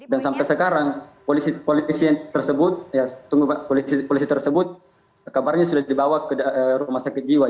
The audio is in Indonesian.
dan sampai sekarang polisi tersebut kabarnya sudah dibawa ke rumah sakit jiwa